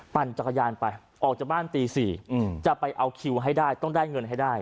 ปั่นจักรยานไปออกจากบ้านตี๔จะไปเอาคิวให้ได้ต้องได้เงินให้ได้